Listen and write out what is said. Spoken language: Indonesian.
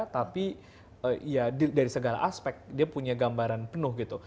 tapi ya dari segala aspek dia punya gambaran penuh gitu